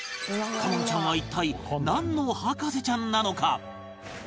叶穏ちゃんは一体なんの博士ちゃんなのか？